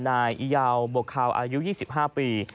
นายอิยาวโบคาวอายุ๒๕ปี